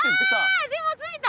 あでもついた？